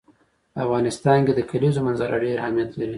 په افغانستان کې د کلیزو منظره ډېر اهمیت لري.